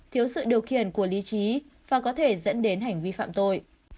thiếu sự điều khiển của lý trí và có thể dẫn đến hành vi phạm tội